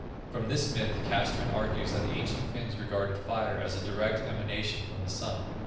From this myth Castrén argues that the ancient Finns regarded fire as a direct emanation from the Sun.